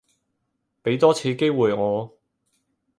畀多次機會我